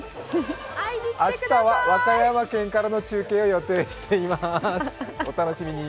明日は和歌山県からの中継予定しています、お楽しみに。